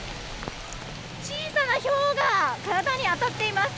小さなひょうが体に当たっています。